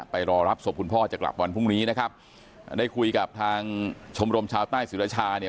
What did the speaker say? รอรับศพคุณพ่อจะกลับวันพรุ่งนี้นะครับได้คุยกับทางชมรมชาวใต้ศิรชาเนี่ย